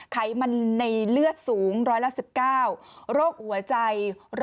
ไขมันในเลือดสูง๑๑๙โรคหัวใจ๑๑๓